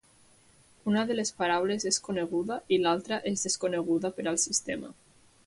Una de les paraules és coneguda i l'altra és desconeguda per al sistema.